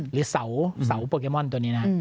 หรือเสาสาวโปรแกมอนตัวนี้นะ